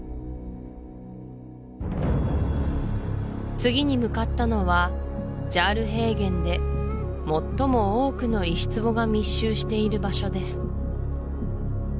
次に向かったのはジャール平原で最も多くの石壺が密集している場所です